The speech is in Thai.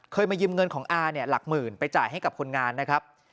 มายืมเงินของอาเนี่ยหลักหมื่นไปจ่ายให้กับคนงานนะครับ